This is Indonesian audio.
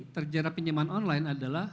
terjerat pinjaman online adalah